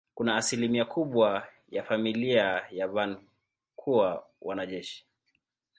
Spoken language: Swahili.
Kuna asilimia kubwa ya familia ya Van kuwa wanajeshi.